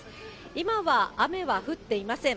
今は雨は降っていません。